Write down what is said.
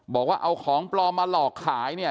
บอกว่าเอาของปลอมมาหลอกขายเนี่ย